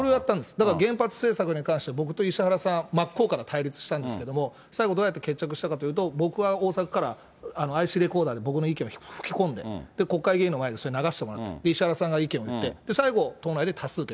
だから原発政策に関しては、僕と石原さん、真っ向から対立したんですけれども、最後どうやって決着したかっていうと、僕は大阪からＩＣレコーダーで僕の意見を吹き込んで、国会議員の前でそれを流してもらって、石原さんが意見を言って、最後、党内で多数決？